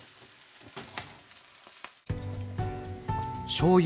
しょうゆ